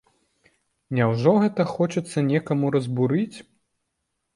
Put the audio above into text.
Няўжо гэта хочацца некаму разбурыць?